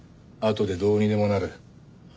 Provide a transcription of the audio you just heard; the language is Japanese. あとでどうにでもなる。